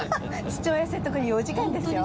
父親説得に４時間ですよ。